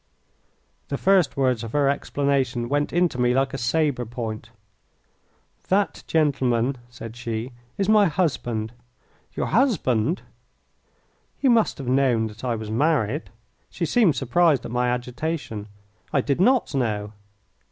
The first words of her explanation went into me like a sabre point. "That gentleman," said she, "is my husband." "Your husband!" "You must have known that I was married." She seemed surprised at my agitation. "I did not know."